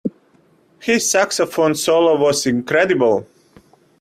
His saxophone solo was incredible.